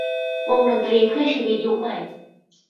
วงดนตรีเพื่อชีวิตยุคใหม่